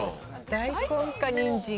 大根かにんじん。